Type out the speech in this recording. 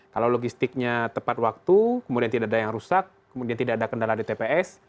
kalau logistiknya tepat waktu kemudian tidak ada yang rusak kemudian tidak ada kendala di tps